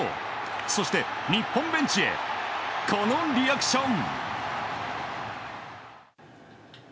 そして、日本ベンチへこのリアクション。